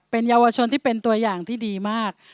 เป็นเยาวชนที่เป็นตัวอย่างที่ดีมาก